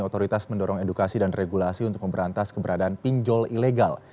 otoritas mendorong edukasi dan regulasi untuk memberantas keberadaan pinjol ilegal